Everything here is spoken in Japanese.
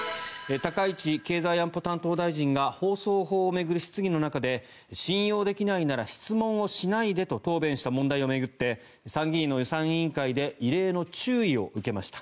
高市経済安保担当大臣が放送法を巡る質疑の中で信用できないなら質問をしないでと答弁した問題を巡って参議院の予算委員会で異例の注意を受けました。